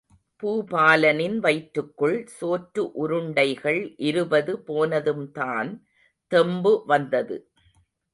பூபாலனின் வயிற்றுக்குள் சோற்று உருண்டைகள் இருபது போனதும்தான் தெம்பு வந்தது.